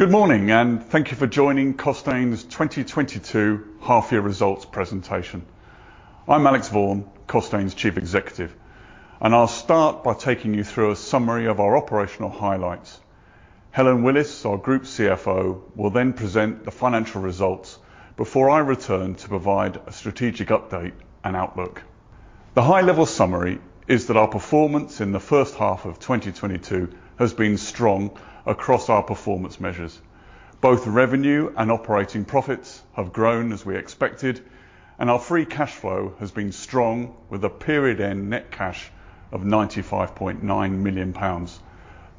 Good morning, and thank you for joining Costain's 2022 half-year results presentation. I'm Alex Vaughan, Costain's Chief Executive, and I'll start by taking you through a summary of our operational highlights. Helen Willis, our Group CFO, will then present the financial results before I return to provide a strategic update and outlook. The high-level summary is that our performance in the first half of 2022 has been strong across our performance measures. Both revenue and operating profits have grown as we expected, and our free cash flow has been strong with a period-end net cash of 95.9 million pounds.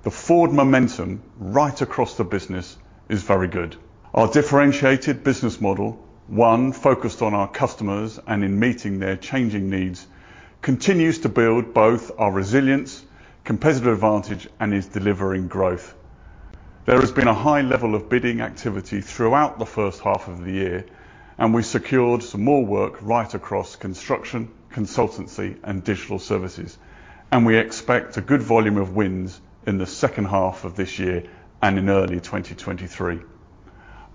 The forward momentum right across the business is very good. Our differentiated business model, one focused on our customers and in meeting their changing needs, continues to build both our resilience, competitive advantage, and is delivering growth. There has been a high level of bidding activity throughout the first half of the year, and we secured some more work right across construction, consultancy, and digital services, and we expect a good volume of wins in the second half of this year and in early 2023.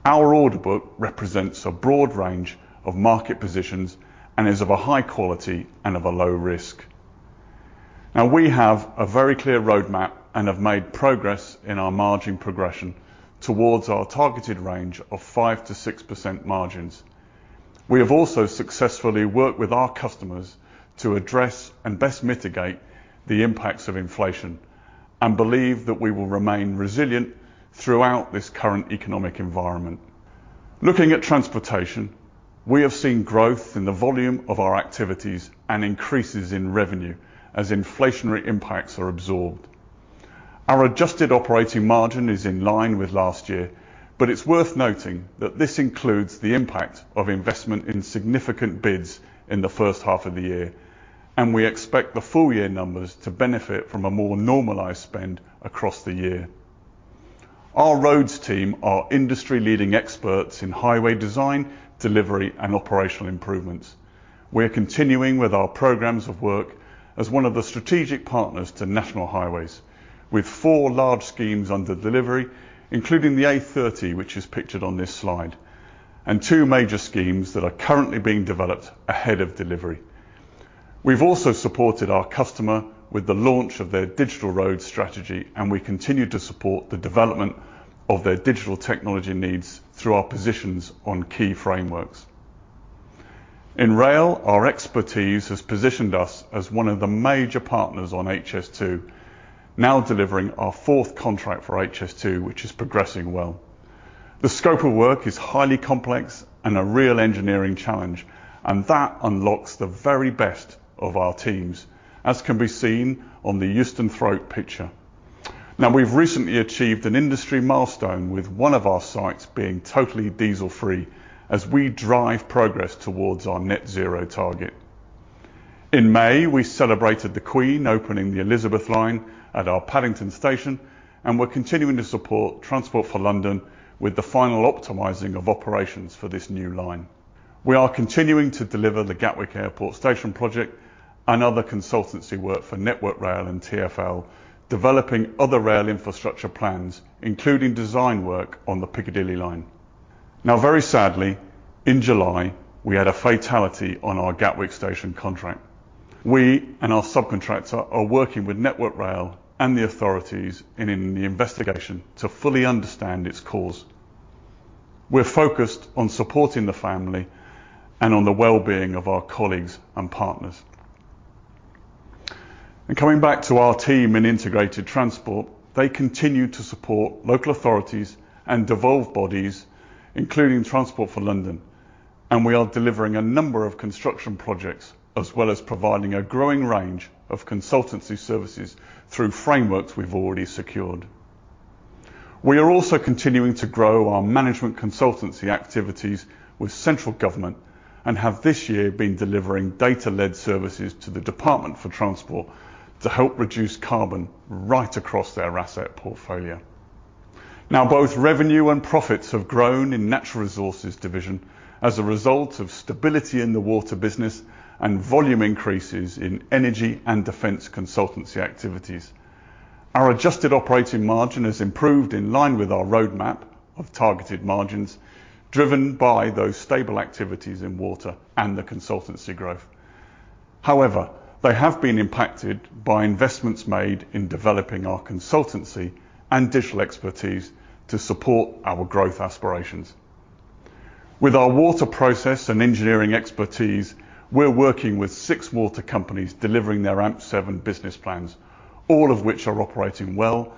Our order book represents a broad range of market positions and is of a high quality and of a low risk. Now we have a very clear roadmap and have made progress in our margin progression towards our targeted range of 5%-6% margins. We have also successfully worked with our customers to address and best mitigate the impacts of inflation and believe that we will remain resilient throughout this current economic environment. Looking at transportation, we have seen growth in the volume of our activities and increases in revenue as inflationary impacts are absorbed. Our adjusted operating margin is in line with last year, but it's worth noting that this includes the impact of investment in significant bids in the first half of the year, and we expect the full year numbers to benefit from a more normalized spend across the year. Our roads team are industry-leading experts in highway design, delivery, and operational improvements. We're continuing with our programs of work as one of the strategic partners to National Highways with four large schemes under delivery, including the A30, which is pictured on this slide, and two major schemes that are currently being developed ahead of delivery. We've also supported our customer with the launch of their Digital Road Strategy, and we continue to support the development of their digital technology needs through our positions on key frameworks. In rail, our expertise has positioned us as one of the major partners on HS2, now delivering our fourth contract for HS2, which is progressing well. The scope of work is highly complex and a real engineering challenge, and that unlocks the very best of our teams, as can be seen on the Euston Throat picture. Now we've recently achieved an industry milestone with one of our sites being totally diesel-free as we drive progress towards our net zero target. In May, we celebrated the Queen opening the Elizabeth line at our Paddington station, and we're continuing to support Transport for London with the final optimizing of operations for this new line. We are continuing to deliver the Gatwick Airport station project and other consultancy work for Network Rail and TfL, developing other rail infrastructure plans, including design work on the Piccadilly line. Now very sadly, in July, we had a fatality on our Gatwick station contract. We and our subcontractor are working with Network Rail and the authorities in the investigation to fully understand its cause. We're focused on supporting the family and on the well-being of our colleagues and partners. Coming back to our team in integrated transport, they continue to support local authorities and devolved bodies, including Transport for London, and we are delivering a number of construction projects as well as providing a growing range of consultancy services through frameworks we've already secured. We are also continuing to grow our management consultancy activities with central government and have this year been delivering data-led services to the Department for Transport to help reduce carbon right across their asset portfolio. Now both revenue and profits have grown in Natural Resources division as a result of stability in the water business and volume increases in energy and defense consultancy activities. Our adjusted operating margin has improved in line with our roadmap of targeted margins, driven by those stable activities in water and the consultancy growth. However, they have been impacted by investments made in developing our consultancy and digital expertise to support our growth aspirations. With our water process and engineering expertise, we're working with six water companies delivering their AMP7 business plans, all of which are operating well,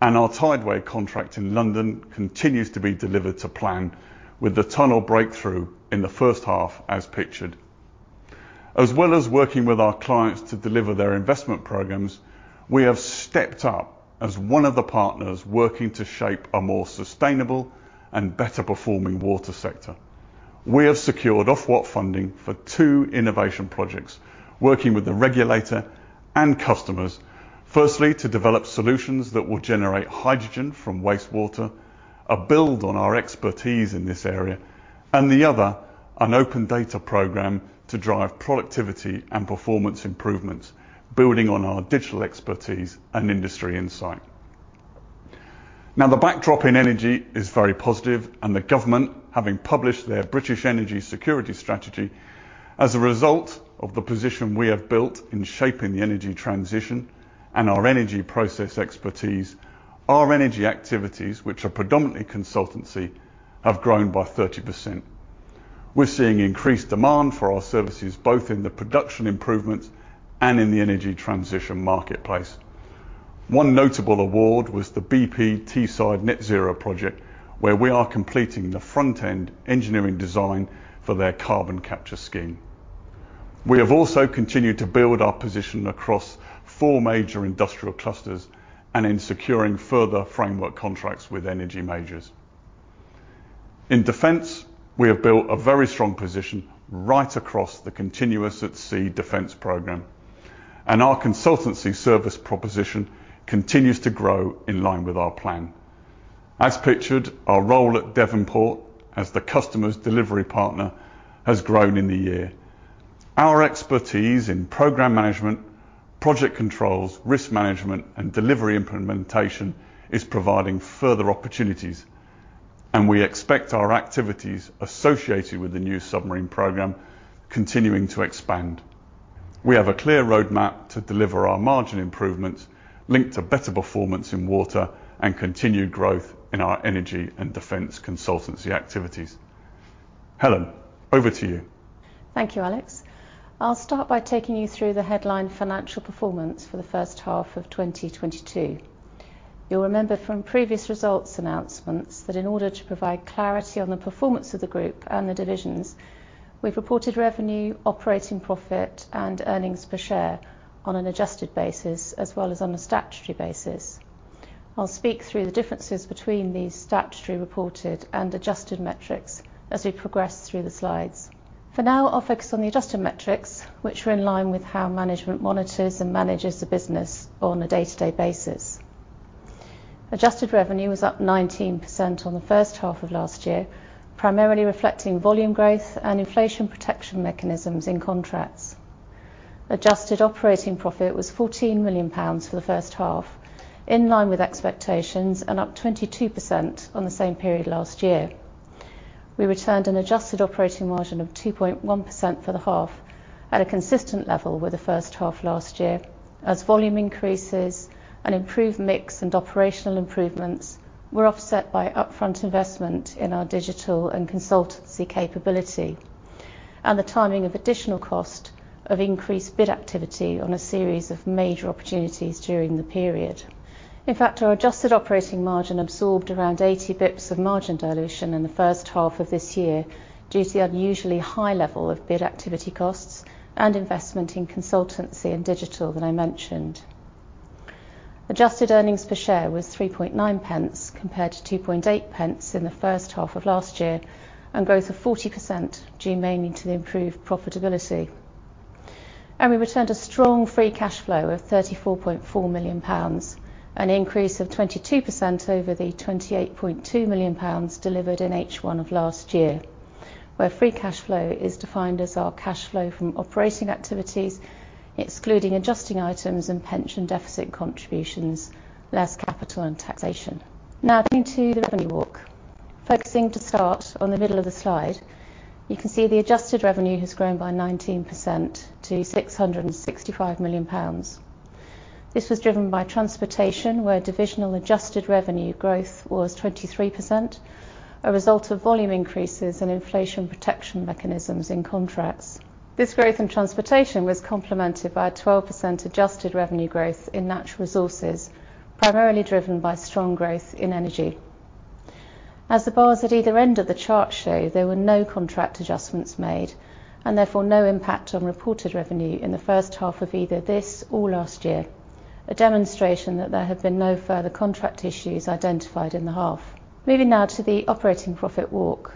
and our Tideway contract in London continues to be delivered to plan with the tunnel breakthrough in the first half as pictured. As well as working with our clients to deliver their investment programs, we have stepped up as one of the partners working to shape a more sustainable and better performing water sector. We have secured Ofwat funding for two innovation projects, working with the regulator and customers, firstly, to develop solutions that will generate hydrogen from wastewater, building on our expertise in this area, and the other, an open data program to drive productivity and performance improvements, building on our digital expertise and industry insight. Now, the backdrop in energy is very positive, and the government, having published their British Energy Security Strategy, as a result of the position we have built in shaping the energy transition and our energy process expertise, our energy activities, which are predominantly consultancy, have grown by 30%. We're seeing increased demand for our services, both in the production improvements and in the energy transition marketplace. One notable award was the BP Net Zero Teesside Power project, where we are completing the front-end engineering design for their carbon capture scheme. We have also continued to build our position across four major industrial clusters and in securing further framework contracts with energy majors. In defense, we have built a very strong position right across the Continuous At Sea Deterrent program, and our consultancy service proposition continues to grow in line with our plan. As pictured, our role at Devonport as the customer's delivery partner has grown in the year. Our expertise in program management, project controls, risk management, and delivery implementation is providing further opportunities, and we expect our activities associated with the new submarine program continuing to expand. We have a clear roadmap to deliver our margin improvements linked to better performance in water and continued growth in our energy and defense consultancy activities. Helen, over to you. Thank you, Alex. I'll start by taking you through the headline financial performance for the first half of 2022. You'll remember from previous results announcements that in order to provide clarity on the performance of the group and the divisions, we've reported revenue, operating profit, and earnings per share on an adjusted basis as well as on a statutory basis. I'll speak through the differences between these statutory reported and adjusted metrics as we progress through the slides. For now, I'll focus on the adjusted metrics, which are in line with how management monitors and manages the business on a day-to-day basis. Adjusted revenue was up 19% on the first half of last year, primarily reflecting volume growth and inflation protection mechanisms in contracts. Adjusted operating profit was 14 million pounds for the first half, in line with expectations and up 22% on the same period last year. We returned an adjusted operating margin of 2.1% for the half at a consistent level with the first half last year as volume increases and improved mix and operational improvements were offset by upfront investment in our digital and consultancy capability and the timing of additional cost of increased bid activity on a series of major opportunities during the period. In fact, our adjusted operating margin absorbed around 80 basis points of margin dilution in the first half of this year due to the unusually high level of bid activity costs and investment in consultancy and digital that I mentioned. Adjusted earnings per share was 0.039 compared to 0.028 in the first half of last year and growth of 40% due mainly to the improved profitability. We returned a strong free cash flow of 34.4 million pounds, an increase of 22% over the 28.2 million pounds delivered in H1 of last year, where free cash flow is defined as our cash flow from operating activities, excluding adjusting items and pension deficit contributions, less capital and taxation. Now turning to the revenue walk. Focusing to start on the middle of the slide, you can see the adjusted revenue has grown by 19% to 665 million pounds. This was driven by transportation, where divisional adjusted revenue growth was 23%, a result of volume increases and inflation protection mechanisms in contracts. This growth in transportation was complemented by a 12% adjusted revenue growth in natural resources, primarily driven by strong growth in energy. As the bars at either end of the chart show, there were no contract adjustments made, and therefore no impact on reported revenue in the first half of either this or last year, a demonstration that there have been no further contract issues identified in the half. Moving now to the operating profit walk.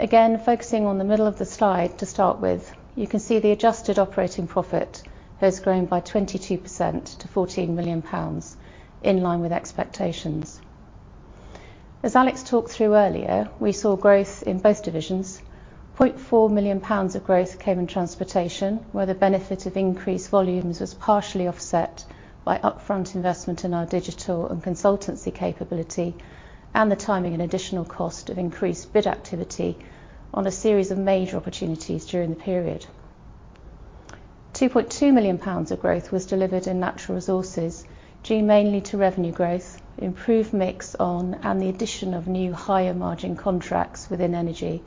Again, focusing on the middle of the slide to start with, you can see the adjusted operating profit has grown by 22% to 14 million pounds, in line with expectations. As Alex talked through earlier, we saw growth in both divisions. 0.4 million pounds of growth came in transportation, where the benefit of increased volumes was partially offset by upfront investment in our digital and consultancy capability and the timing and additional cost of increased bid activity on a series of major opportunities during the period. 2.2 million pounds of growth was delivered in natural resources, due mainly to revenue growth, improved mix on and the addition of new higher margin contracts within energy,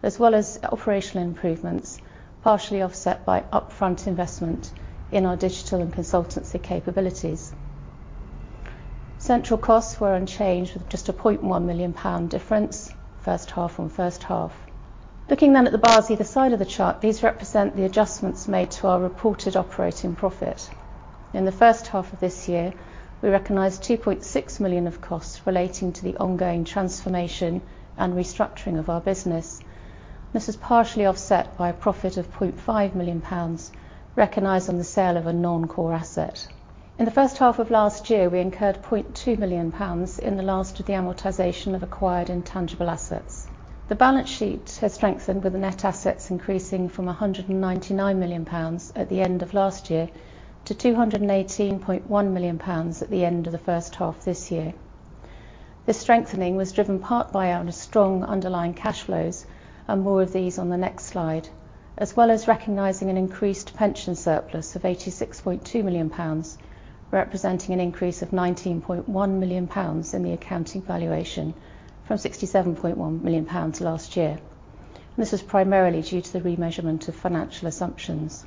as well as operational improvements, partially offset by upfront investment in our digital and consultancy capabilities. Central costs were unchanged with just a 0.1 million pound difference first half on first half. Looking then at the bars either side of the chart, these represent the adjustments made to our reported operating profit. In the first half of this year, we recognized 2.6 million of costs relating to the ongoing transformation and restructuring of our business. This is partially offset by a profit of 0.5 million pounds recognized on the sale of a non-core asset. In the first half of last year, we incurred 0.2 million pounds in the last of the amortization of acquired intangible assets. The balance sheet has strengthened with the net assets increasing from 199 million pounds at the end of last year to 218.1 million pounds at the end of the first half this year. The strengthening was driven in part by our strong underlying cash flows, and more of these on the next slide, as well as recognizing an increased pension surplus of 86.2 million pounds, representing an increase of 19.1 million pounds in the accounting valuation from 67.1 million pounds last year. This is primarily due to the remeasurement of financial assumptions.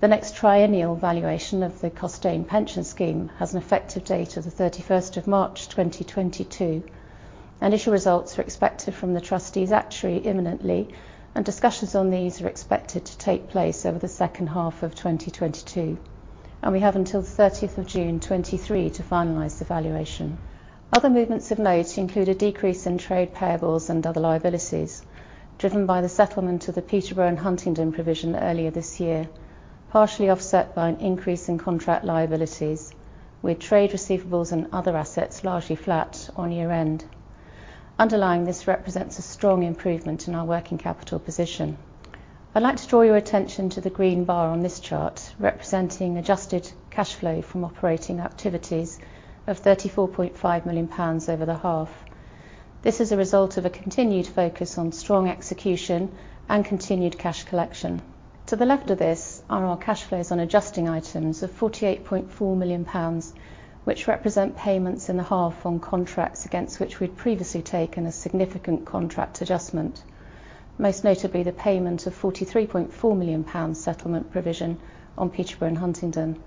The next triennial valuation of the Costain Pension Scheme has an effective date of the March 31st, 2022, and initial results are expected from the trustees' actuary imminently, and discussions on these are expected to take place over the second half of 2022, and we have until June 13th, 2023 to finalize the valuation. Other movements of note include a decrease in trade payables and other liabilities, driven by the settlement of the Peterborough & Huntingdon provision earlier this year, partially offset by an increase in contract liabilities, with trade receivables and other assets largely flat on year-end. Underlying, this represents a strong improvement in our working capital position. I'd like to draw your attention to the green bar on this chart, representing adjusted cash flow from operating activities of 34.5 million pounds over the half. This is a result of a continued focus on strong execution and continued cash collection. To the left of this are our cash flows on adjusting items of 48.4 million pounds, which represent payments in the half on contracts against which we'd previously taken a significant contract adjustment. Most notably, the payment of 43.4 million pounds settlement provision on Peterborough & Huntingdon,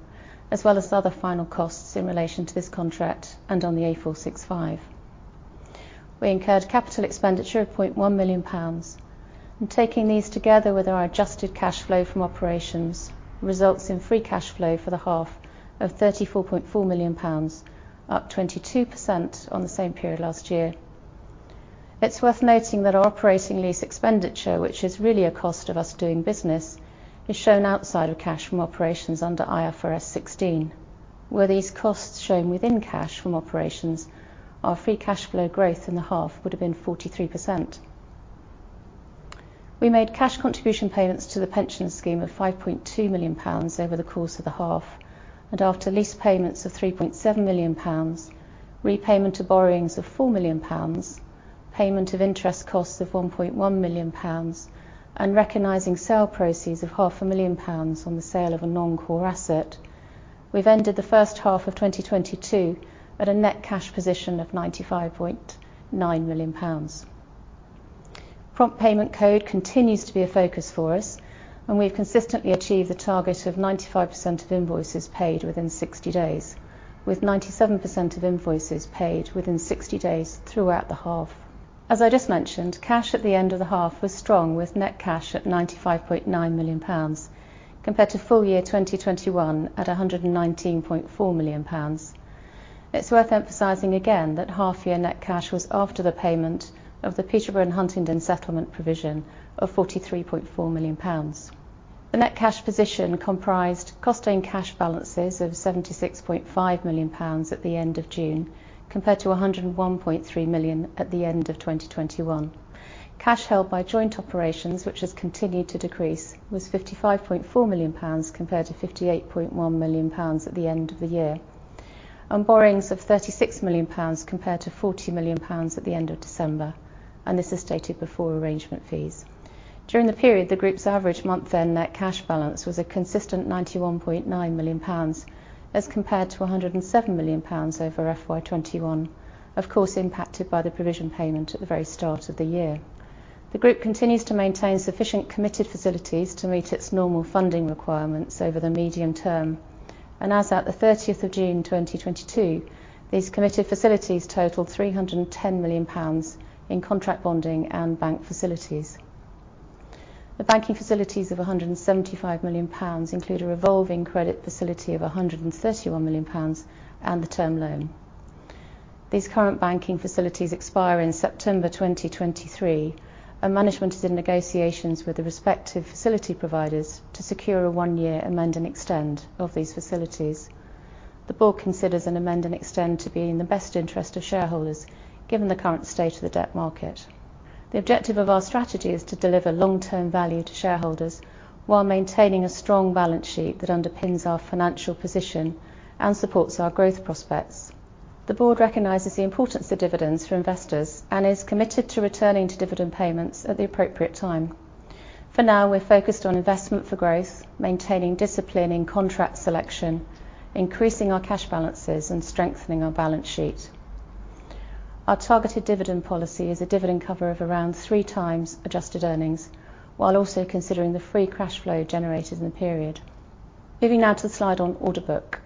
as well as other final costs in relation to this contract and on the A465. We incurred capital expenditure of 0.1 million pounds. Taking these together with our adjusted cash flow from operations results in free cash flow for the half of 34.4 million pounds, up 22% on the same period last year. It's worth noting that our operating lease expenditure, which is really a cost of us doing business, is shown outside of cash from operations under IFRS 16, where these costs shown within cash from operations, our free cash flow growth in the half would have been 43%. We made cash contribution payments to the pension scheme of 5.2 million pounds over the course of the half, and after lease payments of 3.7 million pounds, repayment to borrowings of 4 million pounds, payment of interest costs of 1.1 million pounds, and recognizing sale proceeds of 0.5 million pounds on the sale of a non-core asset. We've ended the first half of 2022 at a net cash position of 95.9 million pounds. Prompt Payment Code continues to be a focus for us, and we've consistently achieved the target of 95% of invoices paid within 60 days, with 97% of invoices paid within 60 days throughout the half. As I just mentioned, cash at the end of the half was strong with net cash at 95.9 million pounds compared to full year 2021 at 119.4 million pounds. It's worth emphasizing again that half-year net cash was after the payment of the Peterborough & Huntingdon settlement provision of 43.4 million pounds. The net cash position comprised Costain cash balances of 76.5 million pounds at the end of June, compared to 101.3 million at the end of 2021. Cash held by joint operations, which has continued to decrease, was 55.4 million pounds compared to 58.1 million pounds at the end of the year. On borrowings of 36 million pounds compared to 40 million pounds at the end of December, and this is stated before arrangement fees. During the period, the group's average month-end net cash balance was a consistent 91.9 million pounds as compared to 107 million pounds over FY 2021, of course, impacted by the provision payment at the very start of the year. The group continues to maintain sufficient committed facilities to meet its normal funding requirements over the medium term. As at the June 30th, 2022, these committed facilities totaled 310 million pounds in contract bonding and bank facilities. The banking facilities of 175 million pounds include a revolving credit facility of 131 million pounds and the term loan. These current banking facilities expire in September 2023, and management is in negotiations with the respective facility providers to secure a one-year amend and extend of these facilities. The board considers an amend and extend to be in the best interest of shareholders given the current state of the debt market. The objective of our strategy is to deliver long-term value to shareholders while maintaining a strong balance sheet that underpins our financial position and supports our growth prospects. The board recognizes the importance of dividends for investors and is committed to returning to dividend payments at the appropriate time. For now, we're focused on investment for growth, maintaining discipline in contract selection, increasing our cash balances, and strengthening our balance sheet. Our targeted dividend policy is a dividend cover of around three times adjusted earnings, while also considering the free cash flow generated in the period. Moving now to the slide on order book.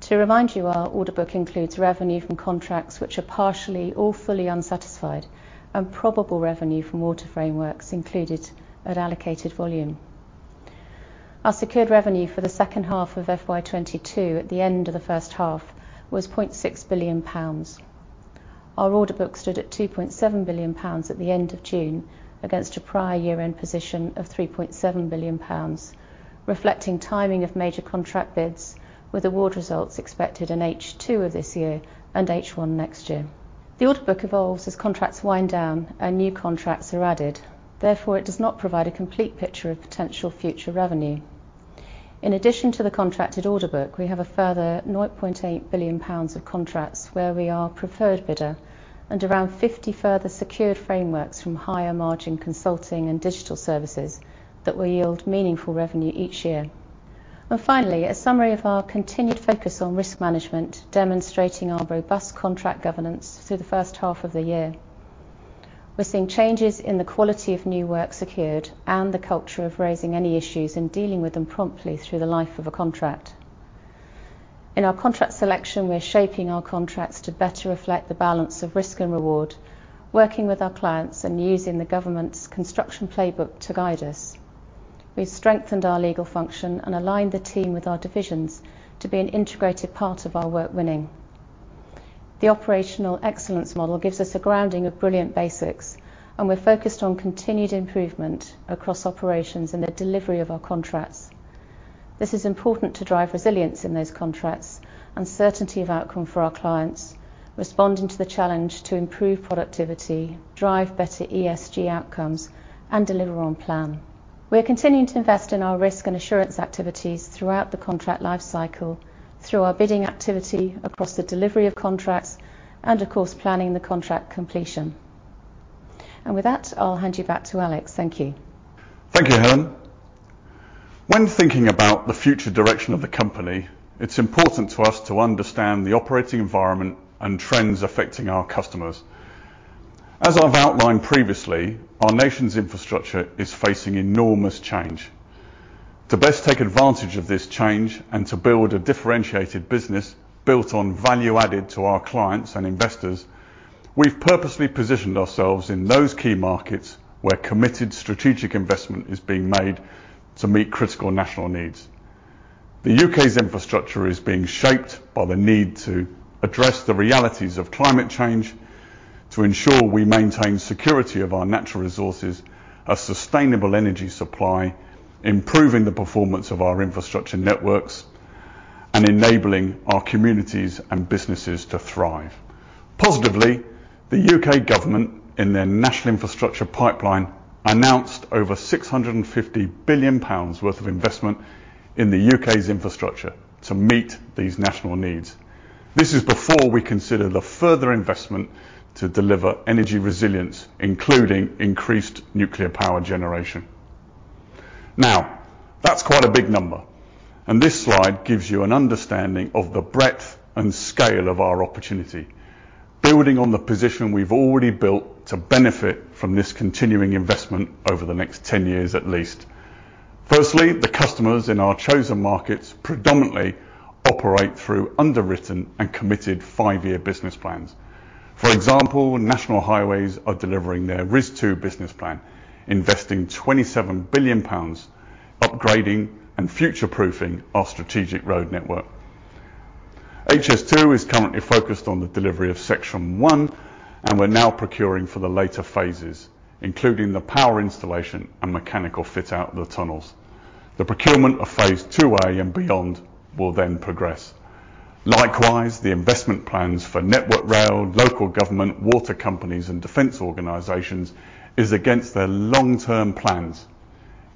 To remind you, our order book includes revenue from contracts which are partially or fully unsatisfied and probable revenue from order frameworks included at allocated volume. Our secured revenue for the second half of FY 2022 at the end of the first half was GBP 0.6 billion. Our order book stood at GBP 2.7 billion at the end of June against a prior year-end position of GBP 3.7 billion, reflecting timing of major contract bids with award results expected in H2 of this year and H1 next year. The order book evolves as contracts wind down and new contracts are added, therefore it does not provide a complete picture of potential future revenue. In addition to the contracted order book, we have a further 0.8 billion pounds of contracts where we are preferred bidder and around 50 further secured frameworks from higher margin consulting and digital services that will yield meaningful revenue each year. Finally, a summary of our continued focus on risk management, demonstrating our robust contract governance through the first half of the year. We're seeing changes in the quality of new work secured and the culture of raising any issues and dealing with them promptly through the life of a contract. In our contract selection, we're shaping our contracts to better reflect the balance of risk and reward, working with our clients and using the government's Construction Playbook to guide us. We've strengthened our legal function and aligned the team with our divisions to be an integrated part of our work winning. The Operational Excellence Model gives us a grounding of Brilliant Basics, and we're focused on continued improvement across operations and the delivery of our contracts. This is important to drive resilience in those contracts and certainty of outcome for our clients, responding to the challenge to improve productivity, drive better ESG outcomes, and deliver on plan. We're continuing to invest in our risk and assurance activities throughout the contract life cycle through our bidding activity across the delivery of contracts and of course, planning the contract completion. With that, I'll hand you back to Alex. Thank you. Thank you, Helen. When thinking about the future direction of the company, it's important to us to understand the operating environment and trends affecting our customers. As I've outlined previously, our nation's infrastructure is facing enormous change. To best take advantage of this change and to build a differentiated business built on value added to our clients and investors, we've purposely positioned ourselves in those key markets where committed strategic investment is being made to meet critical national needs. The U.K.'s infrastructure is being shaped by the need to address the realities of climate change, to ensure we maintain security of our natural resources, a sustainable energy supply, improving the performance of our infrastructure networks, and enabling our communities and businesses to thrive. Positively, the U.K. government in their National Infrastructure Pipeline announced over 650 billion pounds worth of investment in the U.K.'s infrastructure to meet these national needs. This is before we consider the further investment to deliver energy resilience, including increased nuclear power generation. Now, that's quite a big number, and this slide gives you an understanding of the breadth and scale of our opportunity, building on the position we've already built to benefit from this continuing investment over the next 10 years at least. Firstly, the customers in our chosen markets predominantly operate through underwritten and committed five-year business plans. For example, National Highways are delivering their RIS2 business plan, investing 27 billion pounds upgrading and future-proofing our strategic road network. HS2 is currently focused on the delivery of section one, and we're now procuring for the later phases, including the power installation and mechanical fit out of the tunnels. The procurement of phase II-A and beyond will then progress. Likewise, the investment plans for Network Rail, local government, water companies, and defense organizations is against their long-term plans.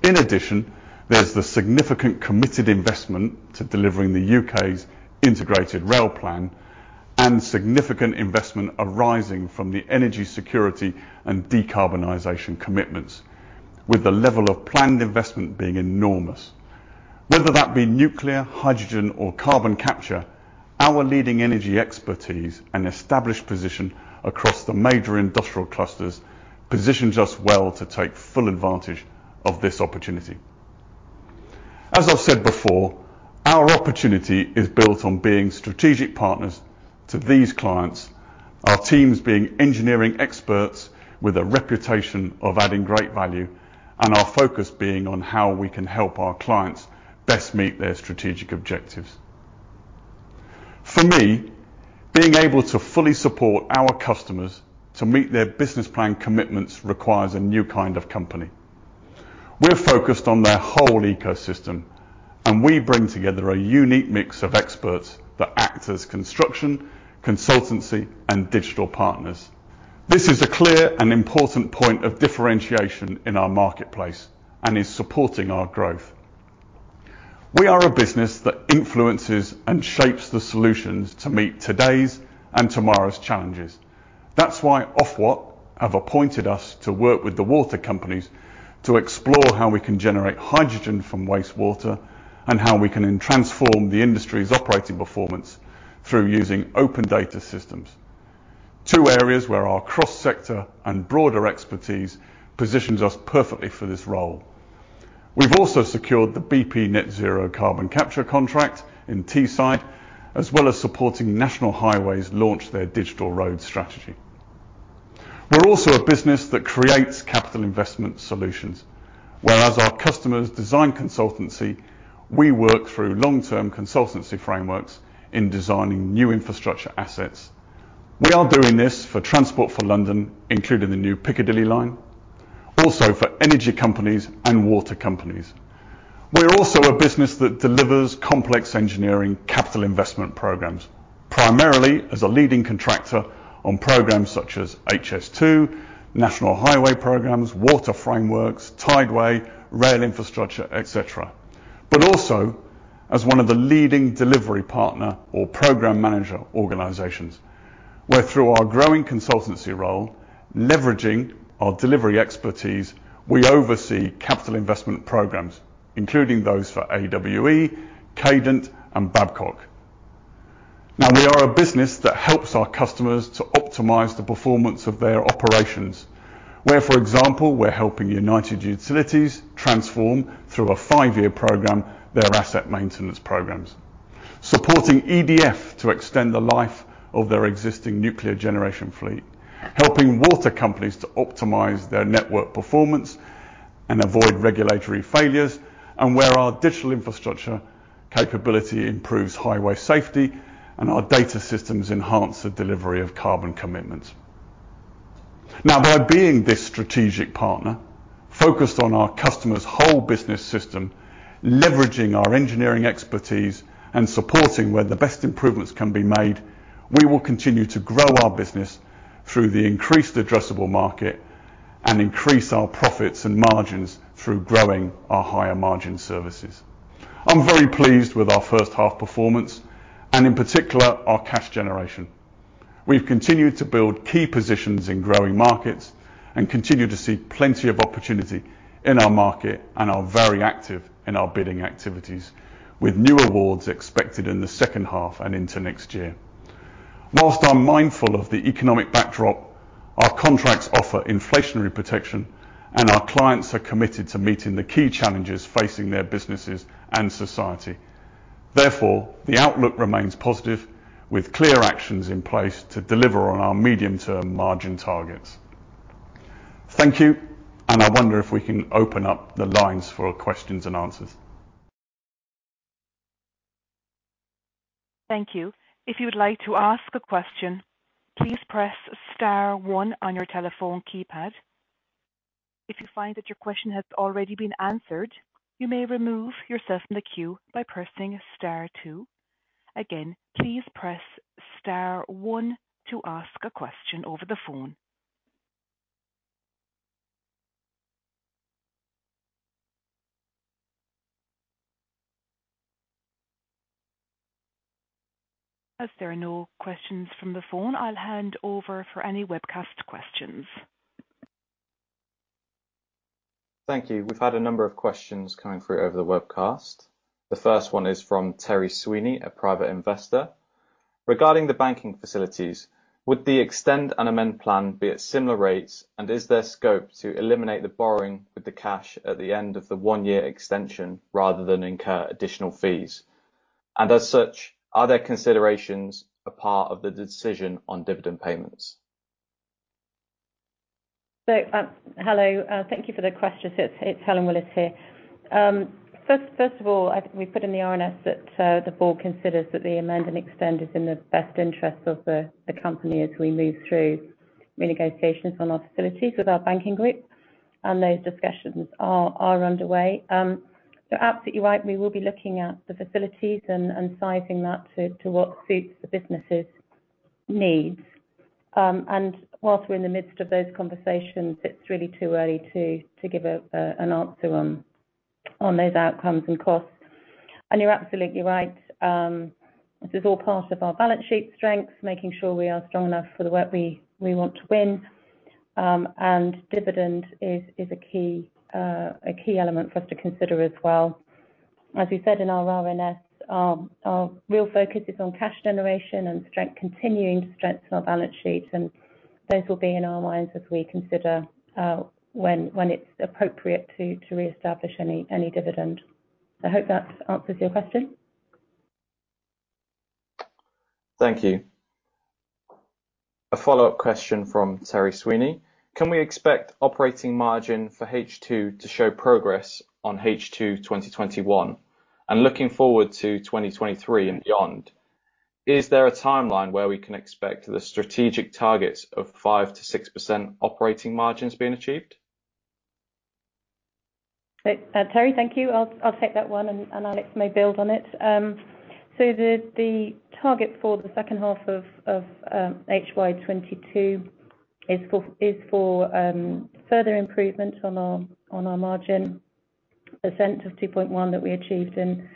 In addition, there's the significant committed investment to delivering the U.K.'s Integrated Rail Plan and significant investment arising from the energy security and decarbonization commitments with the level of planned investment being enormous. Whether that be nuclear, hydrogen, or carbon capture, our leading energy expertise and established position across the major industrial clusters positions us well to take full advantage of this opportunity. As I've said before, our opportunity is built on being strategic partners to these clients, our teams being engineering experts with a reputation of adding great value, and our focus being on how we can help our clients best meet their strategic objectives. For me, being able to fully support our customers to meet their business plan commitments requires a new kind of company. We're focused on their whole ecosystem, and we bring together a unique mix of experts that act as construction, consultancy, and digital partners. This is a clear and important point of differentiation in our marketplace and is supporting our growth. We are a business that influences and shapes the solutions to meet today's and tomorrow's challenges. That's why Ofwat have appointed us to work with the water companies to explore how we can generate hydrogen from wastewater and how we can then transform the industry's operating performance through using open data systems. Two areas where our cross-sector and broader expertise positions us perfectly for this role. We've also secured the BP Net Zero carbon capture contract in Teesside, as well as supporting National Highways launch their Digital Road Strategy. We're also a business that creates capital investment solutions, whereas our customers design consultancy, we work through long-term consultancy frameworks in designing new infrastructure assets. We are doing this for Transport for London, including the new Piccadilly Line, also for energy companies and water companies. We're also a business that delivers complex engineering capital investment programs, primarily as a leading contractor on programs such as HS2, National Highways programs, water frameworks, Tideway, rail infrastructure, et cetera. Also as one of the leading delivery partner or program manager organizations, where through our growing consultancy role, leveraging our delivery expertise, we oversee capital investment programs, including those for AWE, Cadent and Babcock. Now, we are a business that helps our customers to optimize the performance of their operations. Where, for example, we're helping United Utilities transform through a five-year program their asset maintenance programs. Supporting EDF to extend the life of their existing nuclear generation fleet. Helping water companies to optimize their network performance and avoid regulatory failures, and where our digital infrastructure capability improves highway safety and our data systems enhance the delivery of carbon commitments. Now, by being this strategic partner focused on our customer's whole business system, leveraging our engineering expertise and supporting where the best improvements can be made, we will continue to grow our business through the increased addressable market and increase our profits and margins through growing our higher margin services. I'm very pleased with our first half performance and in particular, our cash generation. We've continued to build key positions in growing markets and continue to see plenty of opportunity in our market and are very active in our bidding activities, with new awards expected in the second half and into next year. While I'm mindful of the economic backdrop, our contracts offer inflationary protection and our clients are committed to meeting the key challenges facing their businesses and society. Therefore, the outlook remains positive with clear actions in place to deliver on our medium-term margin targets. Thank you, and I wonder if we can open up the lines for questions and answers. Thank you. If you would like to ask a question, please press star one on your telephone keypad. If you find that your question has already been answered, you may remove yourself from the queue by pressing star two. Again, please press star one to ask a question over the phone. As there are no questions from the phone, I'll hand over for any webcast questions. Thank you. We've had a number of questions coming through over the webcast. The first one is from Terry Sweeney, a private investor. Regarding the banking facilities, would the extend and amend plan be at similar rates, and is there scope to eliminate the borrowing with the cash at the end of the one-year extension rather than incur additional fees? As such, are there considerations a part of the decision on dividend payments? Hello. Thank you for the question. It's Helen Willis here. First of all, I think we put in the RNS that the board considers that the amend and extend is in the best interest of the company as we move through renegotiations on our facilities with our banking group, and those discussions are underway. Absolutely right, we will be looking at the facilities and sizing that to what suits the business's needs. While we're in the midst of those conversations, it's really too early to give an answer on those outcomes and costs. You're absolutely right. This is all part of our balance sheet strength, making sure we are strong enough for the work we want to win. Dividend is a key element for us to consider as well. As we said in our RNS, our real focus is on cash generation and strength, continuing to strengthen our balance sheet. Those will be in our minds as we consider when it's appropriate to reestablish any dividend. I hope that answers your question. Thank you. A follow-up question from Terry Sweeney. Can we expect operating margin for H2 to show progress on H2 2021? Looking forward to 2023 and beyond, is there a timeline where we can expect the strategic targets of 5%-6% operating margins being achieved? Terry, thank you. I'll take that one, and Alex may build on it. The target for the second half of HY 2022 is for further improvement on our margin percent of 2.1% that we achieved in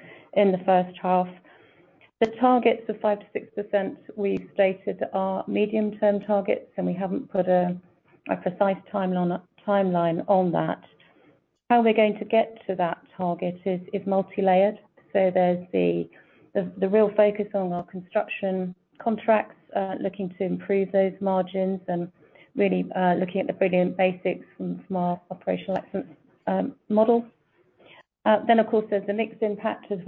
the first half. The targets of 5%-6% we stated are medium-term targets, and we haven't put a precise timeline on that. How we're going to get to that target is multilayered. There's the real focus on our construction contracts, looking to improve those margins and really looking at the Brilliant Basics from our Operational Excellence Model. Of course, there's the mix impact as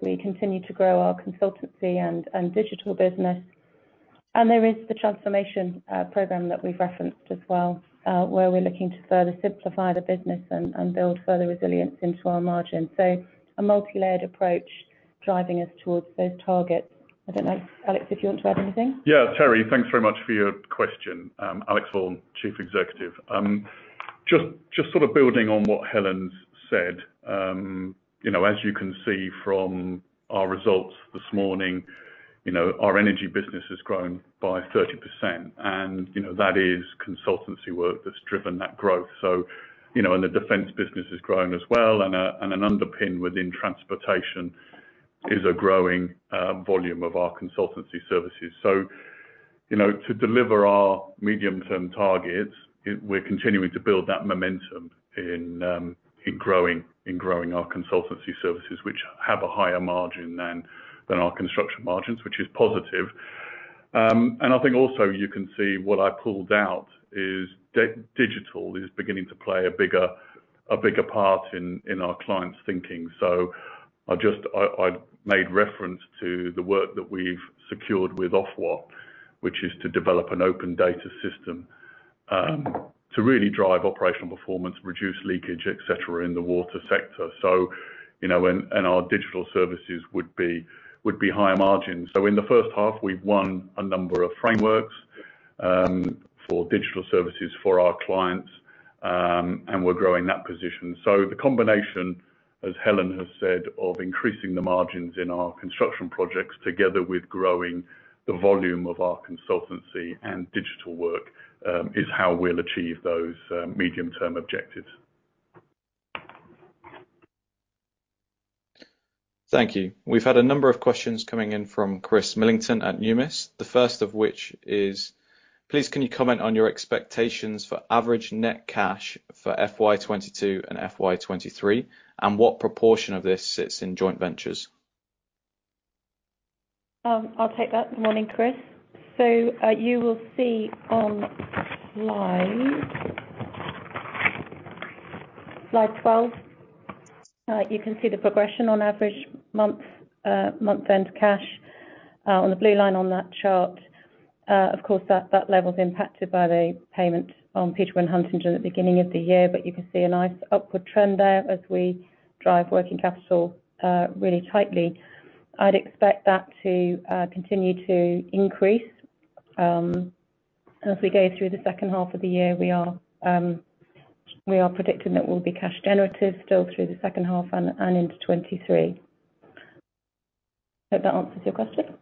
we continue to grow our consultancy and digital business. There is the transformation program that we've referenced as well, where we're looking to further simplify the business and build further resilience into our margins. A multilayered approach driving us towards those targets. I don't know, Alex, if you want to add anything. Yeah, Terry, thanks very much for your question. Alex Vaughan, Chief Executive. Just sort of building on what Helen's said, you know, as you can see from our results this morning, you know, our energy business has grown by 30% and, you know, that is consultancy work that's driven that growth. The defense business has grown as well, and an underpin within transportation is a growing volume of our consultancy services. To deliver our medium-term targets, we're continuing to build that momentum in growing our consultancy services, which have a higher margin than our construction margins, which is positive. I think also you can see what I pulled out is digital is beginning to play a bigger part in our clients' thinking. I made reference to the work that we've secured with Ofwat, which is to develop an open data system to really drive operational performance, reduce leakage, et cetera, in the water sector, and our digital services would be higher margin. In the first half, we've won a number of frameworks for digital services for our clients, and we're growing that position. The combination, as Helen has said, of increasing the margins in our construction projects together with growing the volume of our consultancy and digital work, is how we'll achieve those medium-term objectives. Thank you. We've had a number of questions coming in from Chris Millington at Numis. The first of which is: Please, can you comment on your expectations for average net cash for FY 2022 and FY 2023, and what proportion of this sits in joint ventures? I'll take that. Morning, Chris. You will see on slide 12, you can see the progression on average month-end cash on the blue line on that chart. Of course, that level's impacted by the payment on Peterborough & Huntingdon at the beginning of the year, but you can see a nice upward trend there as we drive working capital really tightly. I'd expect that to continue to increase as we go through the second half of the year. We are predicting that we'll be cash generative still through the second half and into 2023. Hope that answers your question.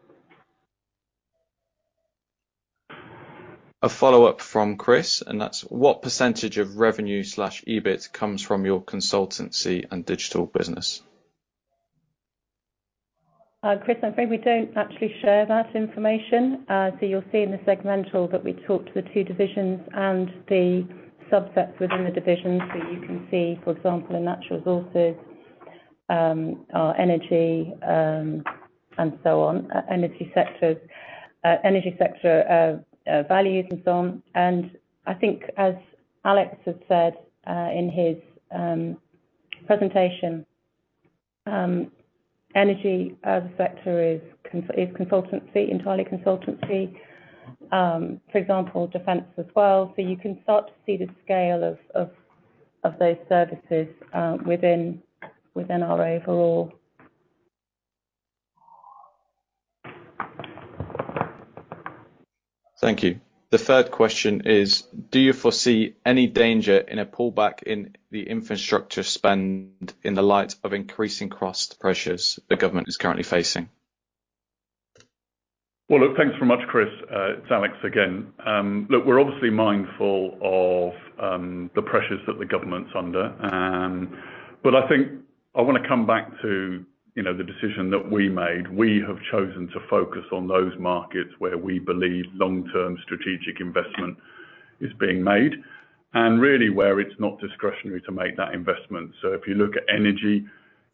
A follow-up from Chris, that's: What percentage of revenue slash EBIT comes from your consultancy and digital business? Chris, I'm afraid we don't actually share that information. You'll see in the segmental that we talk to the two divisions and the subsets within the divisions. You can see, for example, in natural resources, our energy, and so on, energy sector, values and so on. I think as Alex has said, in his presentation, energy as a sector is consultancy, entirely consultancy, for example, defense as well. You can start to see the scale of those services, within our overall. Thank you. The third question is. Do you foresee any danger in a pullback in the infrastructure spend in the light of increasing cost pressures the government is currently facing? Well, look, thanks very much, Chris. It's Alex again. Look, we're obviously mindful of the pressures that the government's under. I think I wanna come back to, you know, the decision that we made. We have chosen to focus on those markets where we believe long-term strategic investment is being made and really where it's not discretionary to make that investment. So if you look at energy,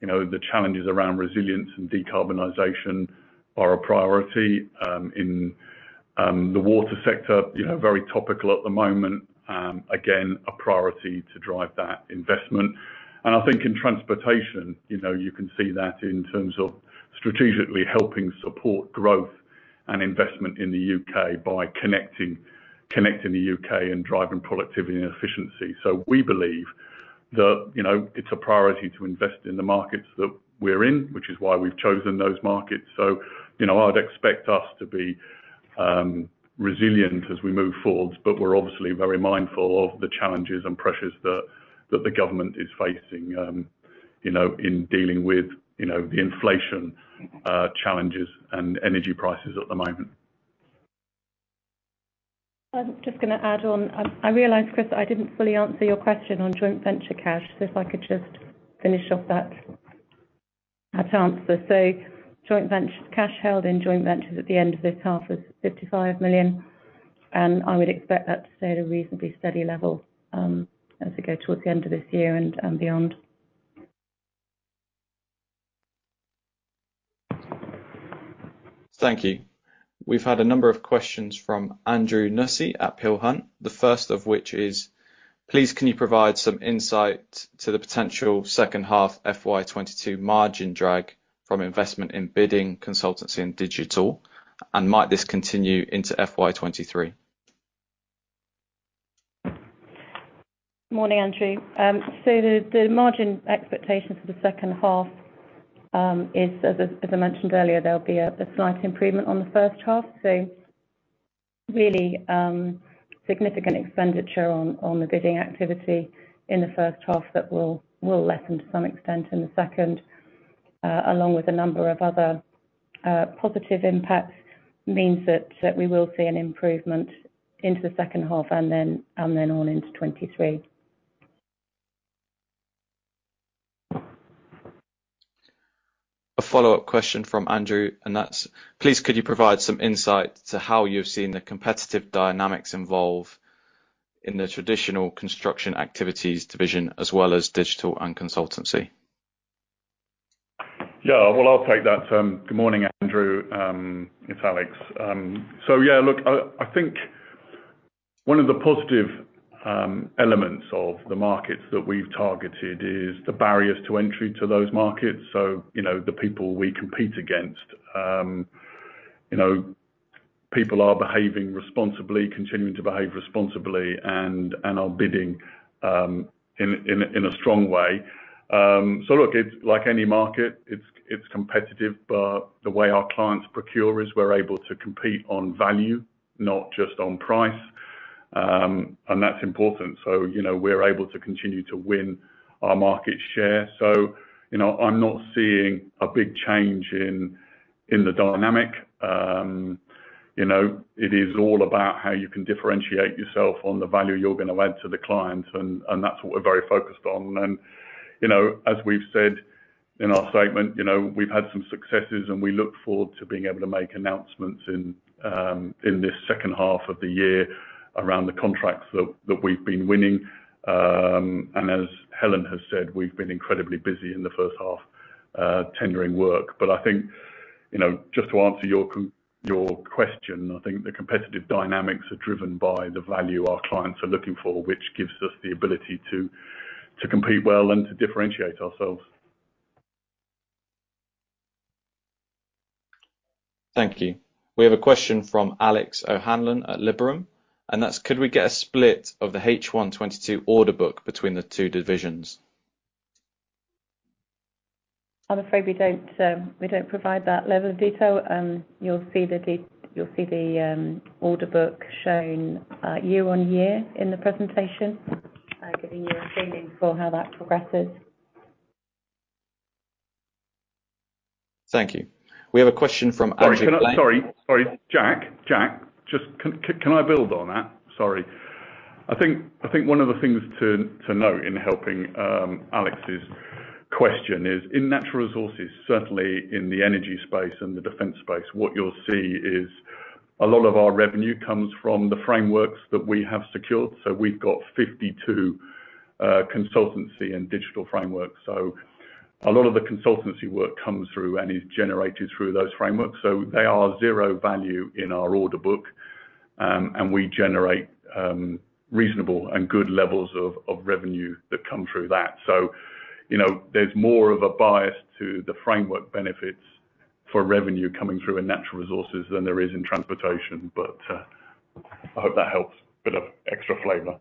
you know, the challenges around resilience and decarbonization are a priority. In the water sector, you know, very topical at the moment, again, a priority to drive that investment. I think in transportation, you know, you can see that in terms of strategically helping support growth and investment in the U.K. by connecting the U.K. and driving productivity and efficiency. We believe that, you know, it's a priority to invest in the markets that we're in, which is why we've chosen those markets. You know, I'd expect us to be resilient as we move forward, but we're obviously very mindful of the challenges and pressures that that the government is facing, you know, in dealing with, you know, the inflation challenges and energy prices at the moment. I'm just gonna add on. I realize, Chris, I didn't fully answer your question on joint venture cash. If I could just finish off that answer. Joint venture cash held in joint ventures at the end of this half was 55 million, and I would expect that to stay at a reasonably steady level, as we go towards the end of this year and beyond. Thank you. We've had a number of questions from Andrew Nussey at Peel Hunt. The first of which is, please can you provide some insight to the potential second half FY 2022 margin drag from investment in bidding, consultancy, and digital, and might this continue into FY 2023? Morning, Andrew. The margin expectation for the second half is as I mentioned earlier, there'll be a slight improvement on the first half. Really, significant expenditure on the bidding activity in the first half that will lessen to some extent in the second, along with a number of other positive impacts, means that we will see an improvement into the second half and then on into 2023. A follow-up question from Andrew. Please could you provide some insight into how you've seen the competitive dynamics evolve in the traditional construction activities division as well as digital and consultancy? Yeah. Well, I'll take that. Good morning, Andrew. It's Alex. Yeah, look, I think one of the positive elements of the markets that we've targeted is the barriers to entry to those markets. You know, the people we compete against, you know, people are behaving responsibly, continuing to behave responsibly and are bidding in a strong way. Look, it's like any market. It's competitive, but the way our clients procure is we're able to compete on value, not just on price. That's important. You know, we're able to continue to win our market share. You know, I'm not seeing a big change in the dynamic. You know, it is all about how you can differentiate yourself on the value you're gonna add to the client and that's what we're very focused on. You know, as we've said in our statement, you know, we've had some successes, and we look forward to being able to make announcements in this second half of the year around the contracts that we've been winning. As Helen has said, we've been incredibly busy in the first half, tendering work. I think, you know, just to answer your question, I think the competitive dynamics are driven by the value our clients are looking for, which gives us the ability to compete well and to differentiate ourselves. Thank you. We have a question from Alex O'Hanlon at Liberum, and that's: Could we get a split of the H1 2022 order book between the two divisions? I'm afraid we don't provide that level of detail. You'll see the order book shown year-over-year in the presentation, giving you a feeling for how that progresses. Thank you. We have a question from Andrew Blane- Jack, can I build on that? I think one of the things to note in helping Alex's question is in Natural Resources, certainly in the energy space and the defense space, what you'll see is a lot of our revenue comes from the frameworks that we have secured. We've got 52 consultancy and digital frameworks. A lot of the consultancy work comes through and is generated through those frameworks. They are zero value in our order book, and we generate reasonable and good levels of revenue that come through that. You know, there's more of a bias to the framework benefits for revenue coming through in Natural Resources than there is in Transportation. I hope that helps. Bit of extra flavor.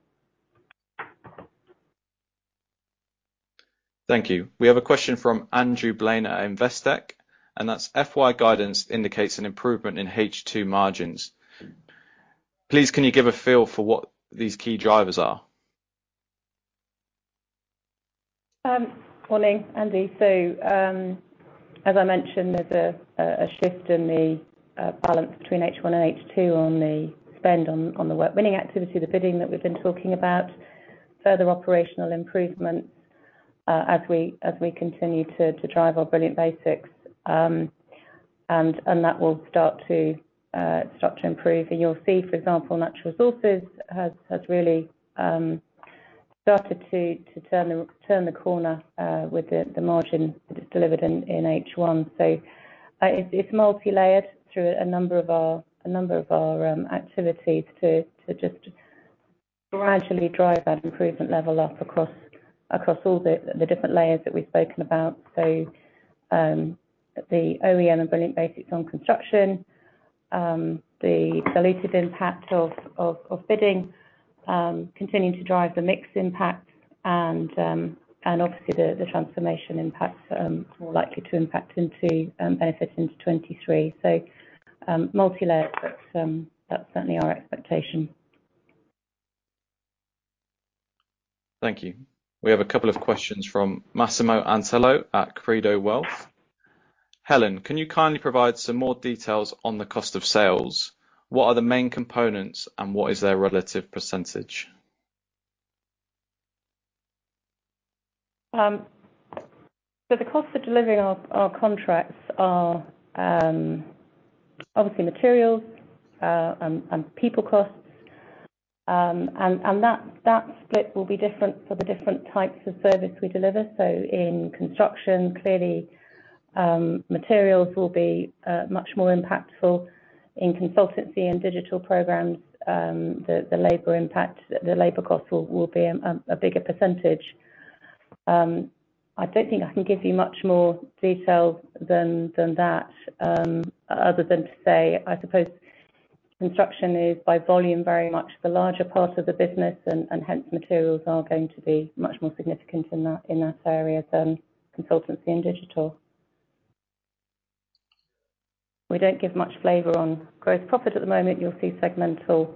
Thank you. We have a question from Andrew Blane at Investec, and that's: FY guidance indicates an improvement in H2 margins. Please, can you give a feel for what these key drivers are? Morning, Andy. As I mentioned, there's a shift in the balance between H1 and H2 on the spend on the work winning activity, the bidding that we've been talking about. Further operational improvements as we continue to drive our Brilliant Basics, and that will start to improve. You'll see, for example, Natural Resources has really started to turn the corner with the margin that it's delivered in H1. It's multilayered through a number of our activities to just gradually drive that improvement level up across all the different layers that we've spoken about. The OEM and Brilliant Basics on construction, the dilutive impact of bidding continuing to drive the mix impact and obviously the transformation impacts more likely to impact into benefit into 2023. Multilayered, but that's certainly our expectation. Thank you. We have a couple of questions from Massimo Sella at Credo Wealth. Helen, can you kindly provide some more details on the cost of sales? What are the main components, and what is their relative percentage? The cost of delivering our contracts are obviously materials and people costs, and that split will be different for the different types of service we deliver. In construction, clearly, materials will be much more impactful. In consultancy and digital programs, the labor cost will be a bigger percentage. I don't think I can give you much more detail than that, other than to say, I suppose construction is by volume very much the larger part of the business and hence materials are going to be much more significant in that area than consultancy and digital. We don't give much flavor on gross profit at the moment. You'll see segmental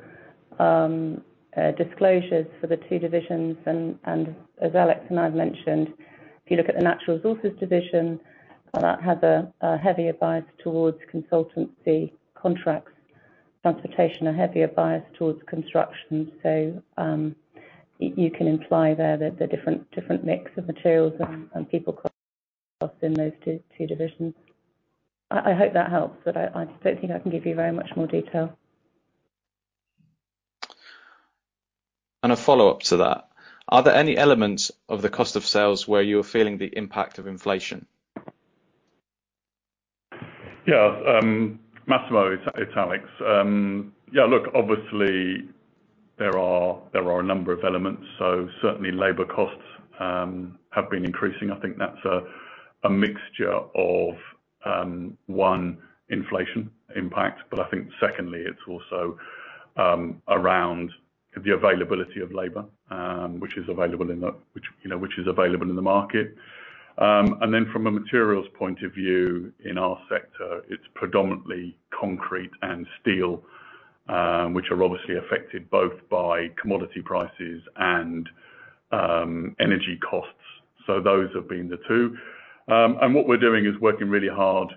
disclosures for the two divisions. As Alex and I've mentioned, if you look at the natural resources division, that has a heavier bias towards consultancy contracts. Transportation, a heavier bias towards construction. you can imply there that the different mix of materials and people costs in those two divisions. I hope that helps, but I don't think I can give you very much more detail. A follow-up to that. Are there any elements of the cost of sales where you're feeling the impact of inflation? Yeah. Massimo, it's Alex. Yeah, look, obviously there are a number of elements, so certainly labor costs have been increasing. I think that's a mixture of one, inflation impact, but I think secondly it's also around the availability of labor, which, you know, is available in the market. Then from a materials point of view, in our sector, it's predominantly concrete and steel, which are obviously affected both by commodity prices and energy costs. Those have been the two. What we're doing is working really hard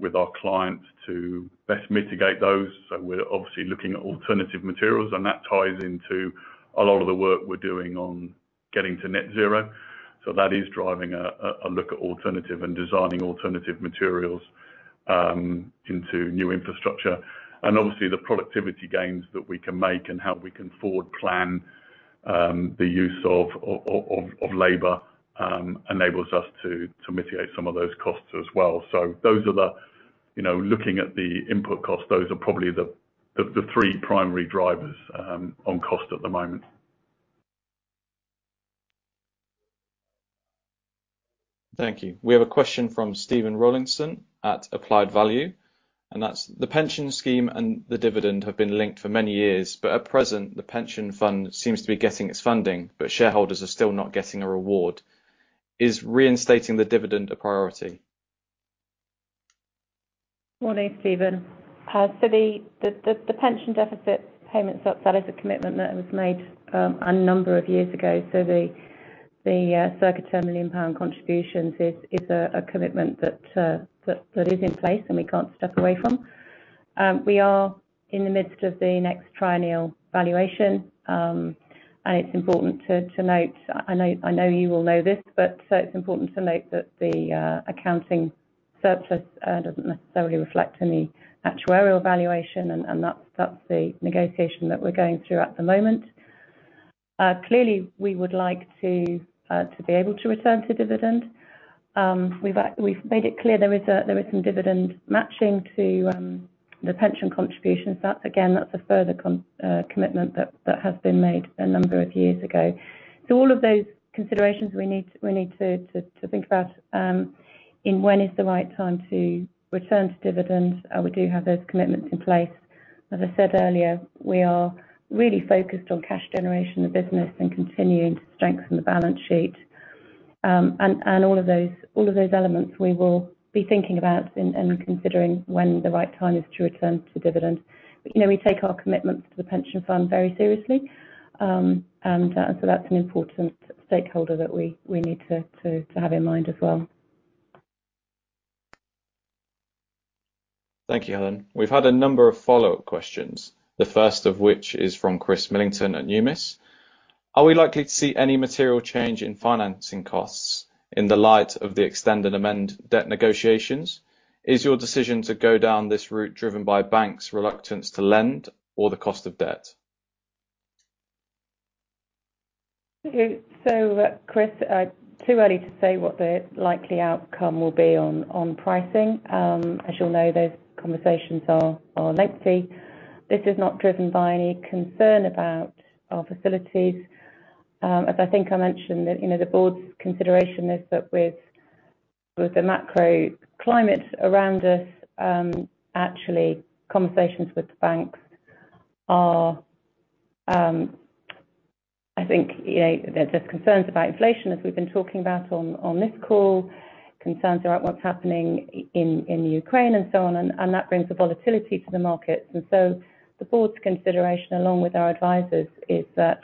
with our clients to best mitigate those. We're obviously looking at alternative materials, and that ties into a lot of the work we're doing on getting to net zero. That is driving a look at alternatives and designing alternative materials into new infrastructure. Obviously the productivity gains that we can make and how we can forward plan the use of labor enables us to mitigate some of those costs as well. Those are the, you know, looking at the input costs, those are probably the three primary drivers on cost at the moment. Thank you. We have a question from Stephen Rawlinson at Applied Value, and that's the pension scheme and the dividend have been linked for many years, but at present the pension fund seems to be getting its funding, but shareholders are still not getting a reward. Is reinstating the dividend a priority? Morning, Steven. The pension deficit payments, that is a commitment that was made a number of years ago. The circa 10 million pound contributions is a commitment that is in place and we can't step away from. We are in the midst of the next triennial valuation, and it's important to note, I know you all know this, that the accounting surplus doesn't necessarily reflect any actuarial valuation, and that's the negotiation that we're going through at the moment. Clearly, we would like to be able to return to dividend. We've made it clear there is some dividend matching to the pension contributions. That, again, that's a further commitment that has been made a number of years ago. All of those considerations we need to think about in when is the right time to return to dividends. We do have those commitments in place. As I said earlier, we are really focused on cash generation of the business and continuing to strengthen the balance sheet. All of those elements we will be thinking about and considering when the right time is to return to dividend. You know, we take our commitments to the pension fund very seriously. That's an important stakeholder that we need to have in mind as well. Thank you, Helen. We've had a number of follow-up questions, the first of which is from Chris Millington at Numis. Are we likely to see any material change in financing costs in the light of the extend and amend debt negotiations? Is your decision to go down this route driven by banks' reluctance to lend or the cost of debt? Okay. Chris, too early to say what the likely outcome will be on pricing. As you'll know, those conversations are lengthy. This is not driven by any concern about our facilities. As I think I mentioned, you know, the board's consideration is that with the macro climate around us, actually conversations with the banks are, I think, you know, there are concerns about inflation as we've been talking about on this call, concerns about what's happening in Ukraine and so on and that brings a volatility to the markets. The board's consideration along with our advisors is that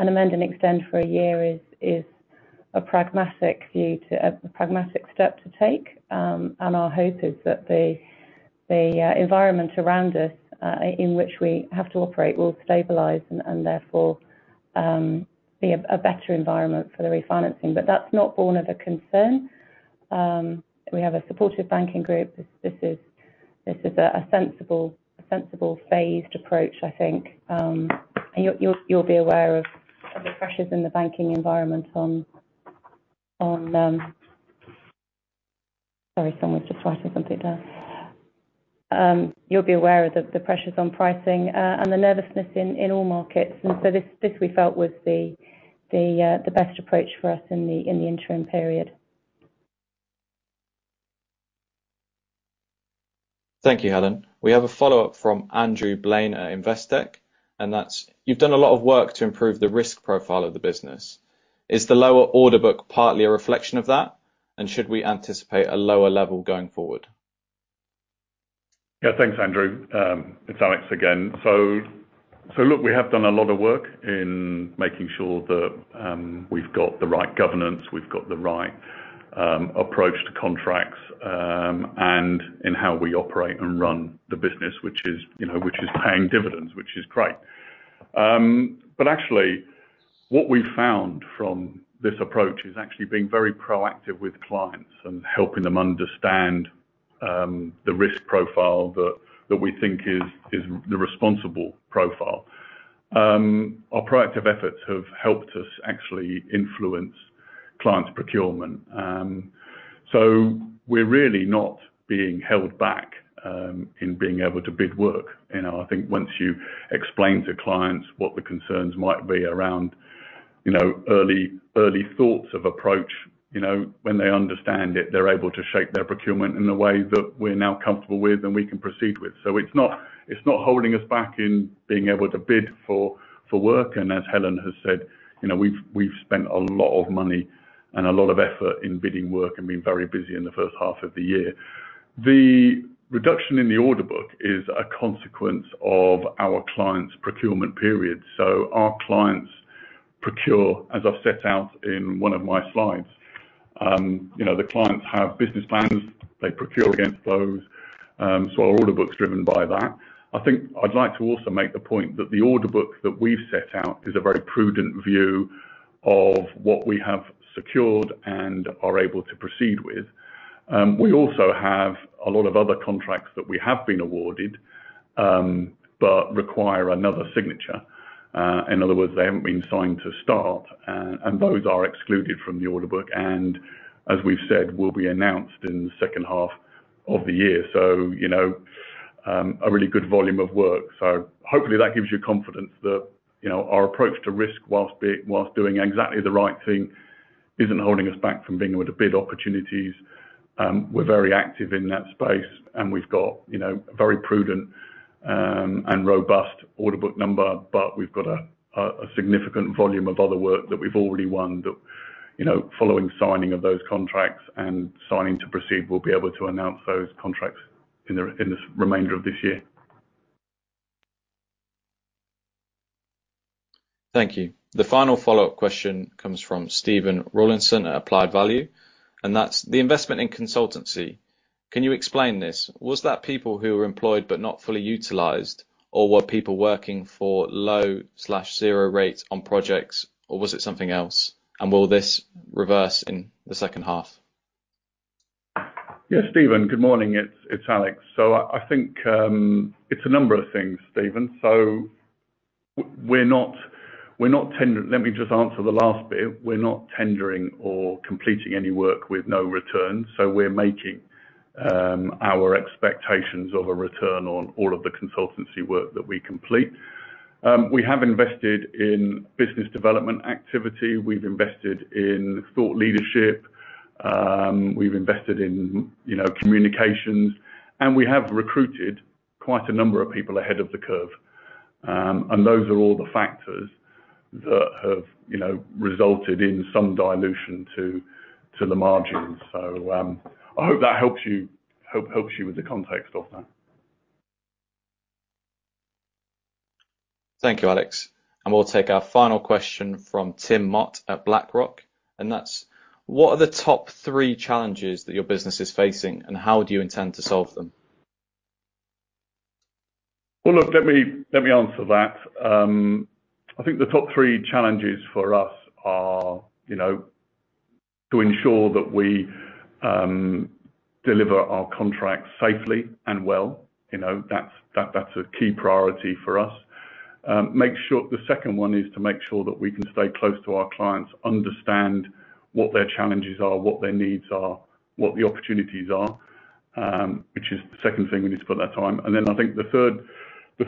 an amend and extend for a year is a pragmatic step to take. Our hope is that the environment around us in which we have to operate will stabilize and therefore be a better environment for the refinancing. That's not borne of a concern. We have a supportive banking group. This is a sensible phased approach, I think. You'll be aware of the pressures in the banking environment on. Sorry, someone's just writing something down. You'll be aware of the pressures on pricing and the nervousness in all markets. This we felt was the best approach for us in the interim period. Thank you, Helen. We have a follow-up from Andrew Blane at Investec, and that's: You've done a lot of work to improve the risk profile of the business. Is the lower order book partly a reflection of that? And should we anticipate a lower level going forward? Yeah, thanks, Andrew. It's Alex again. Look, we have done a lot of work in making sure that we've got the right governance, we've got the right approach to contracts, and in how we operate and run the business, which is, you know, which is paying dividends, which is great. Actually what we've found from this approach is actually being very proactive with clients and helping them understand the risk profile that we think is the responsible profile. Our proactive efforts have helped us actually influence clients' procurement. We're really not being held back in being able to bid work. You know, I think once you explain to clients what the concerns might be around, you know, early thoughts of approach, you know, when they understand it, they're able to shape their procurement in the way that we're now comfortable with and we can proceed with. It's not holding us back in being able to bid for work. As Helen has said, you know, we've spent a lot of money and a lot of effort in bidding work and been very busy in the first half of the year. The reduction in the order book is a consequence of our clients' procurement period. Our clients procure, as I've set out in one of my slides, you know, the clients have business plans, they procure against those, so our order book's driven by that. I think I'd like to also make the point that the order book that we've set out is a very prudent view of what we have secured and are able to proceed with. We also have a lot of other contracts that we have been awarded, but require another signature. In other words, they haven't been signed to start, and those are excluded from the order book, and as we've said, will be announced in the second half of the year. You know, a really good volume of work. Hopefully that gives you confidence that, you know, our approach to risk whilst doing exactly the right thing, isn't holding us back from being able to bid opportunities. We're very active in that space and we've got, you know, a very prudent and robust order book number, but we've got a significant volume of other work that we've already won that, you know, following signing of those contracts and signing to proceed, we'll be able to announce those contracts in the remainder of this year. Thank you. The final follow-up question comes from Stephen Rawlinson at Applied Value, and that's: The investment in consultancy, can you explain this? Was that people who were employed but not fully utilized? Or were people working for low/zero rates on projects? Or was it something else? And will this reverse in the second half? Yeah, Stephen, good morning. It's Alex. I think it's a number of things, Stephen. We're not tendering. Let me just answer the last bit. We're not tendering or completing any work with no return, so we're making our expectations of a return on all of the consultancy work that we complete. We have invested in business development activity. We've invested in thought leadership. We've invested in, you know, communications, and we have recruited quite a number of people ahead of the curve. Those are all the factors that have, you know, resulted in some dilution to the margins. I hope that helps you with the context of that. Thank you, Alex. We'll take our final question from Tim Mott at BlackRock, and that's: What are the top three challenges that your business is facing, and how do you intend to solve them? Well, look, let me answer that. I think the top three challenges for us are, you know, to ensure that we deliver our contracts safely and well. You know, that's a key priority for us. The second one is to make sure that we can stay close to our clients, understand what their challenges are, what their needs are, what the opportunities are, which is the second thing we need to put that time. Then I think the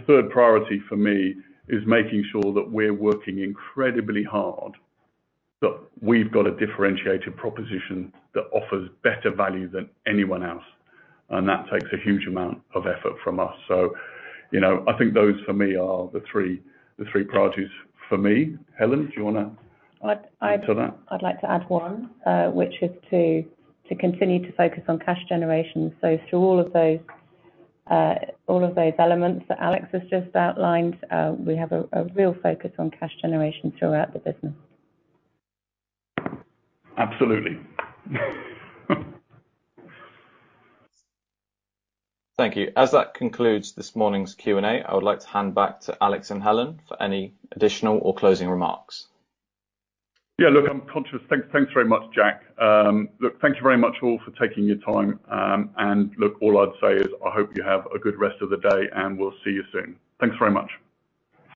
third priority for me is making sure that we're working incredibly hard, that we've got a differentiated proposition that offers better value than anyone else, and that takes a huge amount of effort from us. You know, I think those for me are the three priorities for me. Helen, do you want to add to that? I'd like to add one, which is to continue to focus on cash generation. Through all of those elements that Alex has just outlined, we have a real focus on cash generation throughout the business. Absolutely. Thank you. As that concludes this morning's Q&A, I would like to hand back to Alex and Helen for any additional or closing remarks. Yeah, look, I'm conscious. Thanks very much, Jack. Look, thank you very much all for taking your time. Look, all I'd say is I hope you have a good rest of the day, and we'll see you soon. Thanks very much.